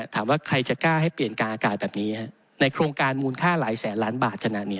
ถามว่าใครจะกล้าให้เปลี่ยนกลางอากาศแบบนี้ในโครงการมูลค่าหลายแสนล้านบาทขนาดนี้